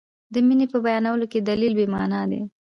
د مینې په بیانولو کې دلیل بې معنا دی.